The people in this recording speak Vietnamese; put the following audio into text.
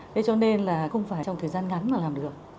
thế cho nên là không phải trong thời gian ngắn mà làm được